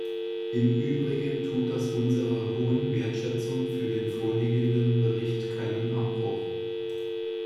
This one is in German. Im übrigen tut das unserer hohen Wertschätzung für den vorliegenden Bericht keinen Abbruch.